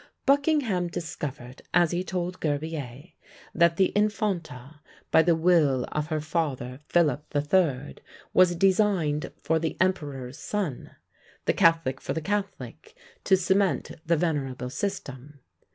Buckingham discovered, as he told Gerbier, that the Infanta, by the will of her father, Philip the Third, was designed for the emperor's son, the catholic for the catholic, to cement the venerable system.